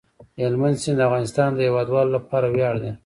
هلمند سیند د افغانستان د هیوادوالو لپاره ویاړ دی.